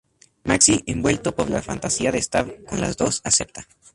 Maxi envuelto por la fantasía de estar con las dos, acepta.